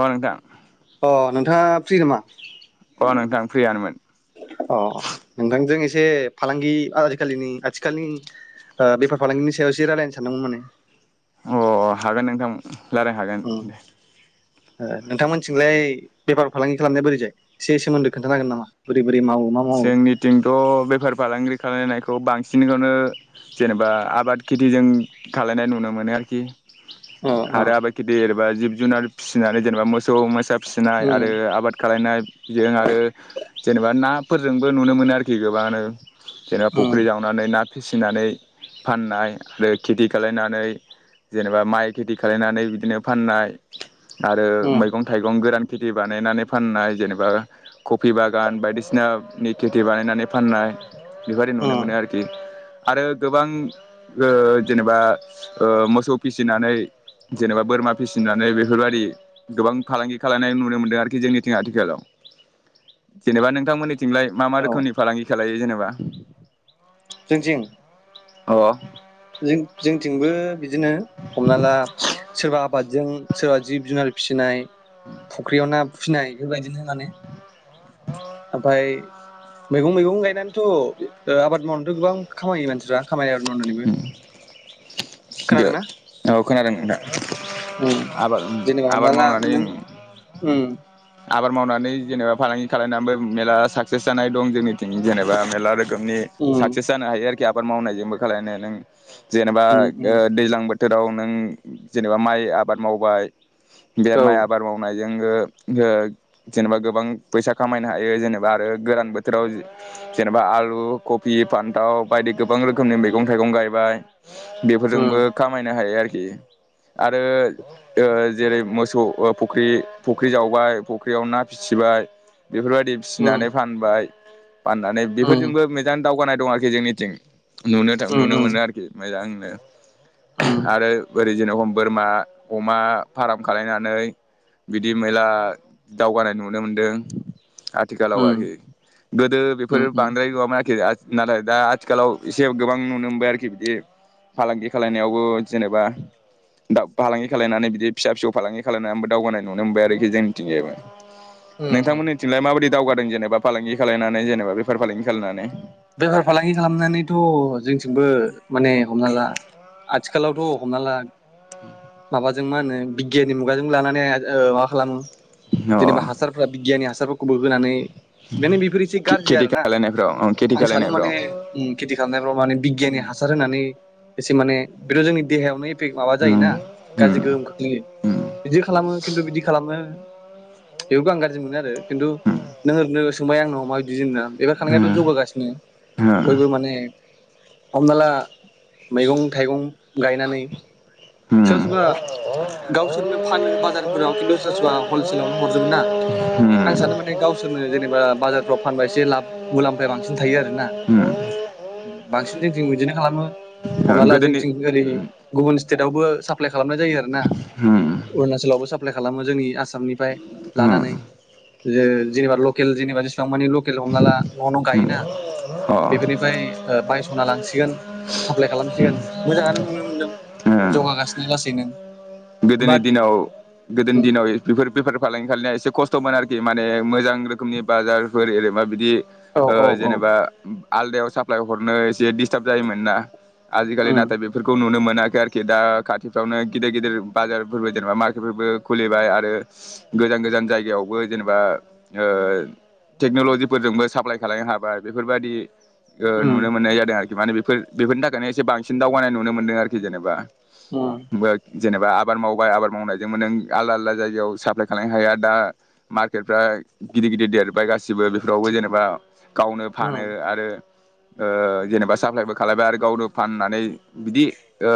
अ नोंथां अ नोंथाङा फ्रि नामा अ नोंथां फ्रियानोमोन से फालांगि आजिखालिनि आथिखालनि बेफार फालांगिनि सायाव एसे रायलायनो सान्दोंमोन माने अ हागोन नोंथां रायलाय हागोन उम ओ नोंथांमोनथिंलाय बेफार फालांगि खालामनाया बोरैजाय एसे सोमोन्दो खोन्थानो हागोन नामा बोरै बोरै मावो मा मावो जोंनिथिंथ' बेफार फालांगि खालायनायखौ खौ बांसिनखौनो जेनेबा आबाद खेथिजों खालानाय नुनो मोनो आरोखि ओ ओ आरो आबाद खेथि एरैबा जिब जुनार फिसिनानै जेनेबा मोसौ मोसा फिसिनाय उम आरो आबाद खालायनाय जों आरो जेनेबा ना फोरजोंबो नुनो मोनो आरोखि गोबाङानो जेनेबा उम फ'ख्रि जावनानै ना फिसिनानै फाननाय आरो खेथि खालायनानै जेनेबा माइ खेथि खालायनानै बिदिनो फाननाय आरो उम मैगं थाइगं गोरान खेथि बानायनानै फाननाय जेनेबा कफि बागान बायदिसिना नि खेथि बानायनानै फाननाय बेबायदि नुनो उम मोनो आरोखि आरो गोबां ओ जेनेबा ओ मोसौ फिसिनानै जेनेबा बोरमा फिसिनानै बेफोरबायदि गोबां फालांगि खालायनाय नुनो मोनदों आरोखि जोंनिथिं आथिखालाव जेनेबा नोंथांमोननि थिंलाय मा मा औ रोखोमनि फालांगि खालायो जेन बा जोंथिं जों जोंथिंबो बिदिनो नो हमना ला सोरबा आबादजों सोरबा जिब जुनार फिसिनाय फुख्रियाव ना फिनाय बेबायदिनो माने ओमफाय मैगं मैगं गायनानैथ' ओ आबाद मावनानैथ' गोबां खामायो मानसिफ्रा खामायो आरो मावनानैबो खोनादोंना बेेद औ खोनादों दा? उम जेनेबा हमना आबाद ला नों मावनानै उम आबाद मावनानै जेनेबा फालांगि खालायनाबो मेरला साक्सेस जानाय दं जोंनिथिं जेनेबा मेरला आरो खोमनि उम साक्सेस जानो हायो आरो खि आबाद मावनायजोंबो खालायनाया नों जेनेबा उम उम ओ दैज्लां बो थोराव नों जेनेबा माइ आबाद मावबाय बे औ माइ आबाद मावनाय जोङो ओ जेनेबा गोबां फैसा खामायनो हायो जेनेबा आरो गोरान बोथोराव जेनेबा आलु कफि फान्थाव बायदि गोबां रोखोमनि मैगं थाइगं गायबाय। उम बेफोरजोंबो खामायनो हायो आर खि आरो ओ जेरै मोसौ ओ फख्रि फुख्रि जावबाय फख्रियाव ना फिसिबाय बेफोरबायदि उम फिसिनानै फानबाय। फाननानै उम बेफोरजोंबो मोजां दावगानाय दं आरखि जोंनिथिं। नुनो था उम नुनो उम मोनो आरखि मोजां नो आरो ओरै जेन'बा बोरमा अमा फार्म खालायनानै बिदि मेला दावगानाय नुनो मोनदों। आथिखालाव उम आरखि गोदो उम उम बेफोरो बांद्राय मामायाखै आ नालाय दा आथिखालाव एसे गोबां नुनो मोनबाय आरखि बिदि फालांगि खालायनायावबो जेनेबा दा फालांगि खालायनानै बिदि फिसा फिसौ फालांगि खालायनानै बो दावगानाय नुनो मोनबाय आरोखि जोंनिथिंजायबो। उम नोंथांमोननिथिंलाय माबायदि दावगादों जेनेबा फालांगि खालायनानै जेनेबा बेफार फालांगि खालायनानै? बेफार फालांगि खालामनानैथ' जोंथिंबो माने हमनाला आथि खालावथ' हमना ला [unintelligible] बा जों मा होनो बिगियाननि मुगाजों लानानै ओ मा खालामो अ जेनेबा हासारफोरा बिगियानि हासारफोरखौबो होनानै माने बेफोर एसे गाज्रि खेथि आरोना। खालायनायफ्राव अ खेथि आं सानो खालायनायफ्राव माने उम खेथि खालामनायफ्राव माने बिगियानि हासार होनानै एसे माने बेथ' जोंनि देहायावनो माबा जायो उम ना गाज्रि उम गोहोम खोख्लैयो उम बिदि खालामो खिन्थु बिदि खालामो। बेबो आं गाज्रि मोनो आरो खिन्थु नोङो नो सोंबाय आंनाव माबायदि जोंना [unintelligible] उम जौबोगासि उम बयबो माने हमना ला मैगं थाइगं गायनानै सोरबा उम उम सोरबा गावसोरनो फानो बाजारफोराव खिन्थु सोरबा सोरबा हलसेलावनो हरजोबो ना आं सानो माने गावसोरनो जेनेबा बाजारफ्राव फानबा एसे लाब मुलाम्फाया बां सिन थायो आरो उम। जोंथिं बिदिनो खालामो। हमना ला जोंथिं ओरै गुबुन। जेरावबो साप्लाय। खालामनाय जायो आरोना उम अुणाचलावबो साप्ला लाइ खालामो जोंनि आसाम उम। जे जेबा लकेल जेनाबा जेसेबांमानि लकेल हमनाला। उम बिदिना अ बेफोरनिफ्राय बायस'ना लांसिगोन साप्लाय खालामसिगोन। मोजाङानो नुनो मोन्दों। उम जौगागासिनो लासैनो। गोदोनि बाट दिनाव गोदोनि दिनाव बेफोर बेफारफालांगि खालामनाया एसे खस्थ'मोन आरोखि। माने मोजां रोखोमनि बाजारफोर जेरैबा बिदि। औ ओ औ औ जेनेबा। आलदायाव साप्लाय हरनो एसे डिस्टार्ब जायोमोन ना। आजिखालि नाथाय बेफोरखौ नुनो मोना मोनाखै आरोखि दा खाथिफ्रावनो गिदिर गिदिर। बाजारफोरबो जेनेबा मार्केटफोरबो खुलिबाय आरो गोजान गोजान जायगायावबो जेनेबा टेक्न'लजिफोरजोंबो साप्लाय खालामनो हाबाय बेफोर बायदि। ओ नुनो मोननाय जादों आरोखि। माने बेफोर बेफोरनि थाखायनो एसे बांसिन दावगानाय नुनो मोनदों आरोखि जेनेबा। उम। जेनेबा। आबाद मावबाय आबाद मावनायजोंबो नों आलदा आलदा जायगायाव साप्लाय खालामनो हाया दा मार्केटफ्रा गिदिर गिदिर देरबाय गासिबो बेफोरावबो जेनेबा। गावनो फानो आरो ओ जेनेबा साप्लायबो खालामबाय आरो गावनो फाननानै बिदि ओ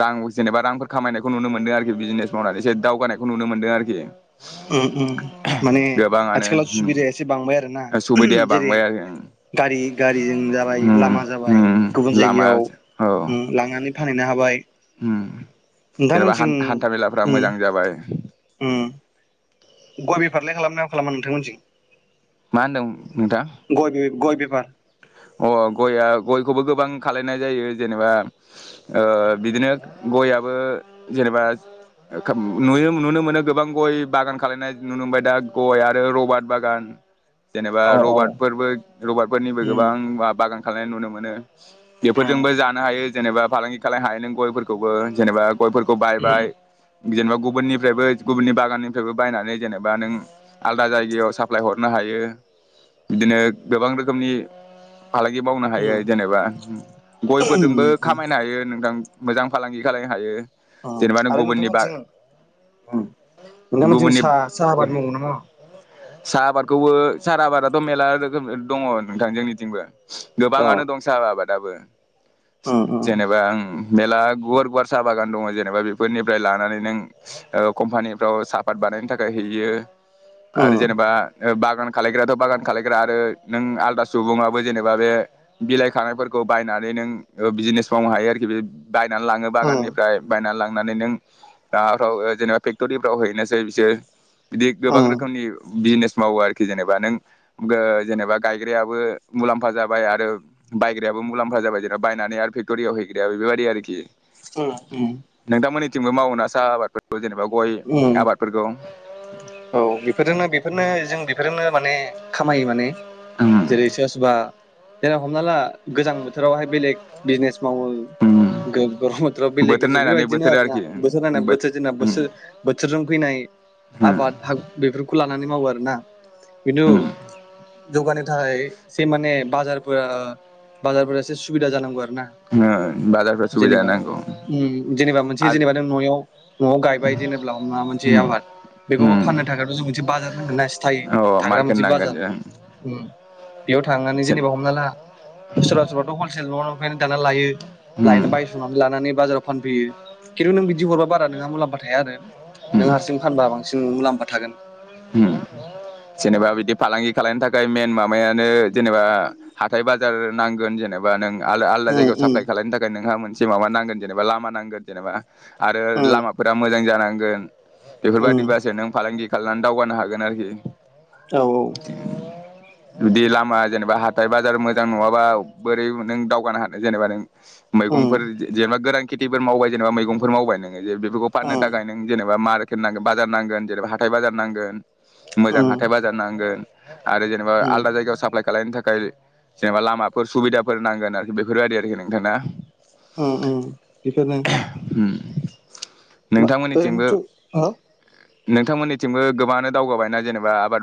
रां जेनेबा रांफोर खामायनायखौ खौ नुनो मोनदों आरोखि बिजनेस मावनानै एसे दावगानायखौ नुनो मोनदों आरोखि उम उम माने गोबाङानो आथिखालाव उम सुबिदाया एसे बांबाय आरोना सुबिदाया जेरै बांबाय आरो गारि गारिजों जाबाय उम लामा जाबाय उम गुबुन लामा जायगायाव औ लांनानै फानैनो हाबाय ओम नोंथांमोनथिं ओम जाबाय ओम फारलाय खालामो ना खालामा नोंथांमोनथिं मा होनदों नोंथां गयबि गय बिफार अ गया गयखौबो गोबां खालायनाय जायो जेनेबा ओ बिदिनो गयाबो जेनेबा रोखोम नुयो नुनो मोनो गोबां गय बागान खालायनाय नुनो मोनबाय दा गय आरो रबाट बागान जेनेबा औ औ रबारटफोरबो रबार फोरनिबो उम गोबां बा-बागान खालायनाय नुनो मोनो। उम बेफोरजोंबो जानो हायो जेनेबा फालांगि खालायनो हायो नों गयफोरखौबो जेनेबा गयफोरखौ उम बायबाय जेनेबा गुबुननिफ्रायबो गुबुननि बागाननिफ्रायबो बायनानै जेनेबा नों आलदा जायगायाव साप्लाय हरनो हायो बिदिनो गोबां रो खोमनि फालांगि मावनो हायो उम जेनेबा उम गयफोरजोंबो उम खामायनो हायो नोंथां। मोजां फालांगि खालायनो हायो। अ जेनेबा नों आरो गुबुननि बा नोंथांमोनथिं नोंथांमोनथिं गुबुननि साह साहा आबाद मावो ना मावा? साहा आबादखौबो सारा आबादाथ' मेरला रोखोम दङ' नोंथां जोंनिथिंबो अ गोबाङानो दं साहा आबाद। दाबो उम उम जेनेबा आं मेरला गुवार गुवार साहा बागान दङ' जेनेबा बेफोरनिफ्राय लानानै नों कम्पानिफ्राव साहापात बानायनो थाखाय हैयो। आरो उम जेनेबा बागान खालायग्राथ' बागान खालायग्रा आरो नों आलदा सुबुङाबो जेनेबा बे बिलाइ खानायफोरखौ बायनानै नों बिजिनेस मावनो हायो आरोखि बे बायनानै लाङो उम बागाननिफ्राय बायनानै लांनानै नों माबाफ्राव जेनेबा फेक्ट'रिफ्राव हैनोसै बिसोर। बिदि उम गोबां रोखोमनि बिजनेस मावो आरोखि जेनेबा नों जेनेबा गायग्रायाबो मुलाम्फा जाबाय आरो बायग्रायाबो मुलाम्फा जाबाय जेनबा बायनानै आरो फेक्ट'रियाव हैग्रायाबो बेबायदि आरोखि। ओम ओम नोंथांमोननिथिंबो मावो ना साह आबादफोरखौ जेनेबा गय उम आबादफोरखौ [inaudible] औ बेफोरजोंनो बेफोरनो जों बेफोरनो माने खामायो माने उम जेरै सायासुबा जेराव हमना ला गोजां बोथोरावहाय बेलेग बिजनेस मावो उम गो गरम बोथोराव बेलेग बोथोर बेेजे नायनानै बेबायदिनो बोथोर आरोना आरोखि बोथोर नायनाय बोथोर जोंना बोसो बोथोरजों फैनाय आबाद [unintelligible] बेखौ लानानै मावो आरो ना खिनु जौगानो थाखाय एसे माने बाजारफोरा बाजारफोरा एसे सुबिदा जानांगौ आरो ना बाजारफ्रा सुबिदा जेनेबा जानांगौ उम जेनेबा मोनसे आरो जेनेबा नों न'याव न'आव गायबाय जेनेब्ला हमना मोनसे आबाद बेखौ फान [unintelligible] मोनसे बाजार नांगोना सिथाय अ थाग्रा मार्केट मोनसे नांगोन बाजार ओम बेयाव थांनानै जेनेबा हमना ला सोरबा सोरबाथ' हलसेल न' दाना लायो लायना बायस'नानै लानानै बाजाराव फानफैयो खिन्थु नों बिदि हरबा बारा नोंहा मुलाम्फा थाया आरो नों हारसिं फानबा बांसिन मुलाम थागोन उम जेनेबा बिदि फालांगि खालायनो थाखाय मेन मामायानो जेनेबा हाथाय बाजार नांगोन जेनेबा नों आलदा आलदा उम जायगायाव साप्लाय खालामायनो थाखाय नोंहा मोन से माबा नांगोन जेनेबा लामा नांगोन जेनेबा। आरो उम लामाफोरा मोजां जानां गोन। उम बेफोरबायदिबासो नों फालांगि खाला दावगानो हागोन आरोखि। औ औ। जुदि लामा जेनेबा हाथाय बाजार मोजां नङाबा बोरै नों दावगानो हानो जेनेबा नों। उम मैगंफोर जेनेबा गोरान खेथिफोर मावबाय जेनेबा मैगंफोर मावबाय नों जे बेफोरखौ फाननो उम थाखाय नों जेने बा मार्केट नांगोन बाजार नांगोन जेनेबा हाथाय बाजार नां गोन। मोजां उम हाथाय बाजार नांगोन। आरो जेनेबा उम आलदा जायगायाव साप्लाय खालायनो थाखाय जेनेबा लामाफोर सुबिदाफोर नांगोन आरोखि बेफोरबायदि आरोखि नोंथां ना। उम उम बेफोरनो। नोंथांमोननिथिंबो ओरैनोथ' हो नोंथांमोननिथिंबो गोबाङानो दावगाबायना जेनेबा आबाद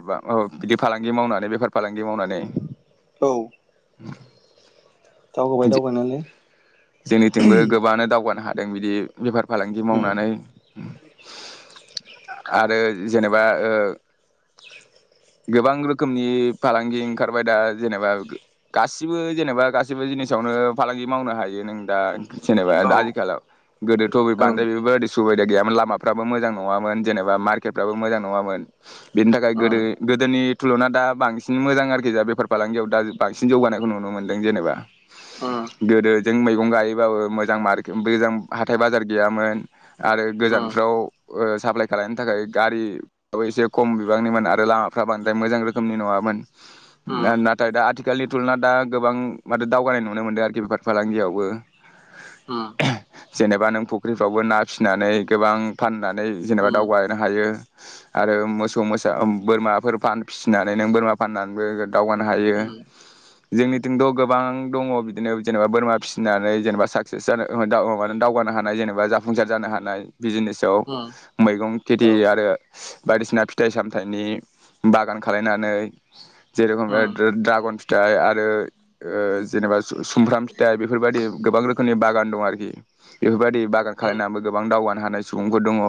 बिदि फालांगि मावनानै बेफार फालांगि मावनानै? औ। [inaudible] दावगाबाय दावगानायालाय। जोंनिथिंबो गोबाङानो दावगानो हा दों बिदि बेफार फालांगि उम मावनानै। आरो जेनेबा ओ गोबां रोखोमनि फालांगि ओंखारबाय दा जेनेबा गासिबो जेनेबा गासिबो जिनिसावनो फालांगि मावनो हायो। नों दा जेनेबा औ दा आथिखालाव गोदोथ' बबे औ बांद्राय उम बेफोरबादि सुबिदा गैयामोन लामफ्राबो मोजां नङामोन जेनेबा मारकेटफ्राबो मोजां नङामोन। बेनि थाखाय गोदो उम गोदोनि थुल'ना दा बांसिन मोजां आरोखि जा बेफार फालांगियाव दा बांसिन जौगानायखौ नुनो मोनदों जेनेबा गोदो जों मैगं गायोबाबो मोजां मारके मोजां हाथाय बाजार गैयामोन आरो उम गोजानफ्राव ओ साप्लाय खालायनो थाखाय गारि एसे खम बिबांनिमोन आरो लामाफ्रा बांद्राय मोजां रोखोमनि नङामोन उम ना-नाथाय दा आथि थिखालनि थुलना दा गोबां माथे दावगानाय नुनो मोनदों आरोखि बेफार फालांगियावबो उम जेनेबा नों फुख्रिफ्रावबो ना फिसिनानै गोबां फानना नै जेनेबा उम उम औ दावगानो हायो आरो मोसौ मोसा बोरमाफोर फान फिसिनानै नों बोरमा फाननानैबो दावगानो हायो उम जोंनिथिंथ' गोबां दङ' बिदिनो जेनेबा बोरमा फिसिनानै जेनेबा साक्सेस जानो माने दाव माने दावगानो हानाय जेनेबा जाफुंसार जानो हानाय बिजिनेसआव मैगं खेथि आरो बायदिसिना फिथाइ सामथाइनि बागान खालायनानै जेरखम ओ ओ द्रागन फिथाइ आरो ओ जेनेबा जु सुमफ्राम फिथाइ बेफोरबायदि गोबां रोखोमनि बागान दं आरोखि बेफोरबादि बागान उम खालायनानैबो गोबां दावगा हानाय सुबुंफोर दङ'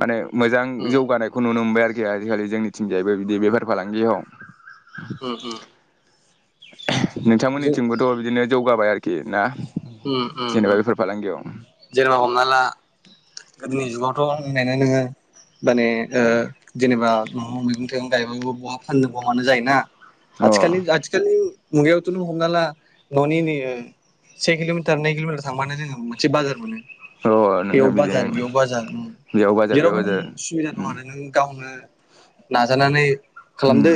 माने मोजां उम जौगानायखौ नुनो मोनबाय आरो थि आजिखालि जोंनिथिंजायबो बिदि बेफार फालांगियाव उम उम। जों नोंथांमोननि बिदिनो जौगाबाय आरोखि ना। जेनेबा बेफार फालांगियाव जेराव हमना ला गोदोनि जुगावथ' होनबायानो नोङो माने ओ जेनेबा न'आव मैगं थाइगं गायबाबो बहा फाननो बहा मानो जायोना। अ अ आथिखालनि-आथिखालनि मुगायावथ' नों हमना ला न'नि नै से किल'मिटार नै किल'मिटार थांबानो जोङो मोन बाजार मोनो। बेयाव नोंथां बाजार बिदिनो बेयाव बाजार बेयाव बाजार बेयाव जेरावबो नों बाजार सुबिदा दं उम आरो नों गावनो नाजानानै खालामदो। उम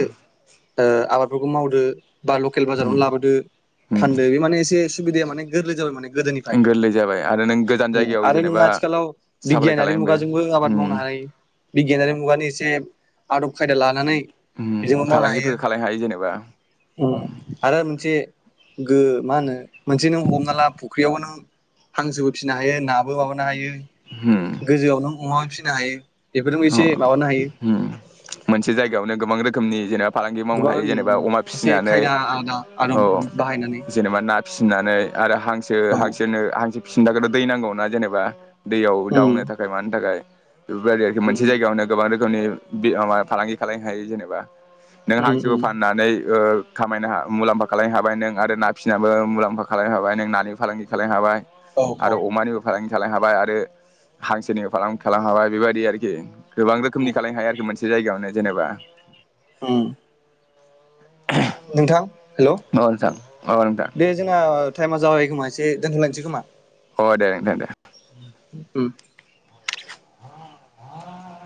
ओ आबादफोरखो मावदो। बा लकेल बाजारावनो उम लाबोदो फानदो बे माने एसेस सुबिदाया माने गोरलै जाबाय माने गोदोनिफ्राय ओं गोरलै जाबाय। आरो नों गोजान जायगायाव आरो नों जेनेबा आथिखालाव साप्लाय बिगियानारि खालायनोबो मुगाजोंबो आबाद मावनो उम हायो बिगियानारि मुगानि एसे आदब खायदा लानानै उम बेजोंबो मावनो हायो फालांगिफोर खालायनो जेनेबा उम आरो मोनसे मा होनो मोनसे नों हमना ला फुख्रियावबो नों हांसोबो फिसिनो हायो नाबो माबानो हायो। गोजौआव नों अमा फि हायो। बेफोरजोंबो हो एसे माबानो हायो उम मोनसे जायगायावनो गोबां रोखोम रोखोमनि जेराब फालांगि मावनो गोबां हायो जेनेबा अमा एसे फिसिनानै खायदा आदा आदब औ बाहायनानै जेनेबा ना फिसिनानै आरो हांसो औ हांसोनो हांसो दै नांगौना जेनेबा। दैयाव उम दावनो थाखाय मानो थाखाय। [unintelligible] मोनसे उम जायगायावनो गोबां रोखो नि माबा फालांगि खालामनो हायो जेनेबा नों उम हांसोबो उम फाननानै ओ खामायनो मुलाम्फा खालामलायनो हाबाय नों आरो ना फिसिनाबबो मुलाम्फा खालामलायनो हाबाय नों नानि फालांगि खालामनो हाबाय। औ औ आरो अमानिबो फालांगि खालायनो हाबाय आरो हांसोनिबो फालांगि खालामनो हाबाय बेबायदि आरोखि। एह गोबां रोखोमनि उम खालामनो हायो आरोखि मोनसे [unintelligible] से जायगायावनो जेनेबा उम नोंथां हेलौ नोंथां अ नोंथां दे जोङा टाइमा जाबाय। [unintelligible] एसे दोनथ'लांसै खोमा अ दे दे दे ओम [inaudible]